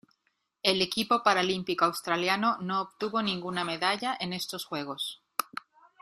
El equipo paralímpico australiano no obtuvo ninguna medalla en estos Juegos.